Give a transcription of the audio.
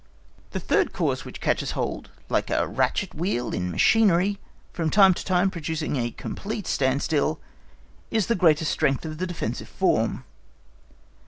The third cause which catches hold, like a ratchet wheel in machinery, from time to time producing a complete standstill, is the greater strength of the defensive form.